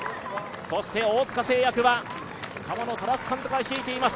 そして大塚製薬は河野匡監督が率いています。